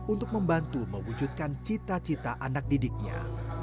untuk membantu mewujudkan cita cita anak didiknya